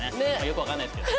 よくわかんないですけど。